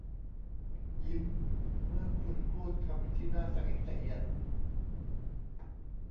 ยิ้มเมื่อคุณพูดคำที่น่าสะอิดสะเอียน